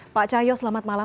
pak cahyo selamat malam